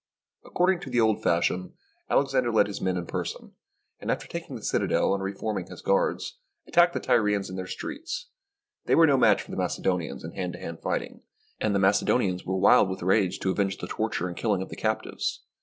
According to the old fashion, Alexander led his men in person, and after taking the citadel and re forming his guards, attacked the Tyrians in their streets. They were no match for the Macedonians in hand to hand fighting, and the Macedonians were wild with rage to avenge the torture and killing of the captives.